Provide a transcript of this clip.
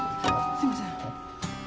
すいません。